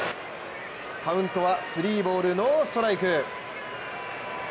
カウントは３ボール・ノーストライク。